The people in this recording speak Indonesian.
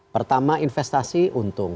pertama investasi untung